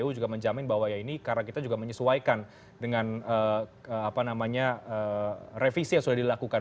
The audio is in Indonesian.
kpu juga menjamin bahwa ya ini karena kita juga menyesuaikan dengan revisi yang sudah dilakukan